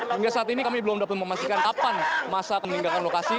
hingga saat ini kami belum dapat memastikan kapan masa meninggalkan lokasi